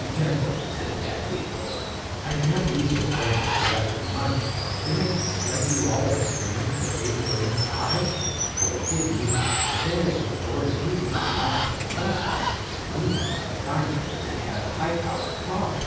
Temple," said Jack, leaning forward, "I do not believe those bandits were after money. Didn't it strike you all as strange that they were in an auto? Well, it did me. The bandits of the border usually are mounted on horseback. These men, on the contrary, had a high powered car.